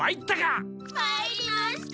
まいりました！